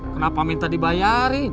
kenapa minta dibayarin